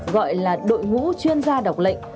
gọi là đội ngũ chuyên gia đọc lệnh